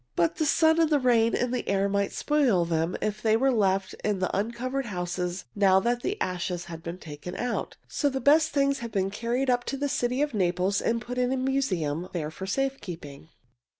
But the sun and the rain and the air might spoil them if they were left in the uncovered houses, now that the ashes have been taken out. So the best things have been carried up to the city of Naples and put in the museum there for safe keeping.